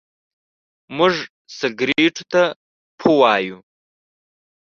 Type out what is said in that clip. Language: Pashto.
موږ سګرېټو ته پو وايو.